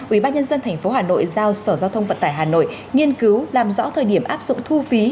ubnd tp hà nội giao sở giao thông vận tải hà nội nghiên cứu làm rõ thời điểm áp dụng thu phí